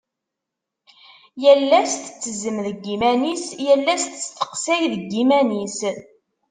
Yal ass tettezzem deg yiman-is, yal ass testeqsay deg yiman-is.